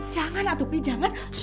jangan atopi jangan